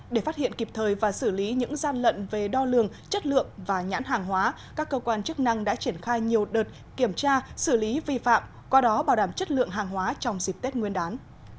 để phát hiện kịp thời và xử lý những gian lận về đo lường chất lượng và nhãn hàng hóa các cơ quan chức năng đã triển khai nhiều đợt kiểm tra xử lý vi phạm qua đó bảo đảm chất lượng hàng hóa trong dịp tết nguyên đán